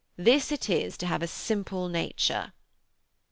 This it is to have a simple nature....'